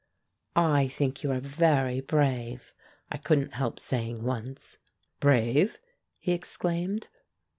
"I think you are very brave," I couldn't help saying once. "Brave?" he exclaimed.